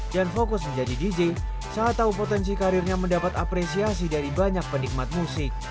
dan fokus menjadi dj saat tahu potensi karirnya mendapat apresiasi dari banyak penikmat musik